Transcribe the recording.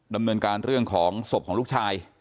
ดำเนินการเรื่องของศพของลูกชาย